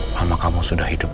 mama kamu sudah hidup